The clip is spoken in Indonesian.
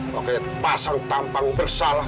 pokoknya pasang tampang bersalah